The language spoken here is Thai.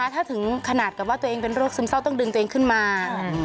ถ้าถึงขนาดกับว่าตัวเองเป็นโรคซึมเศร้าต้องดึงตัวเองขึ้นมา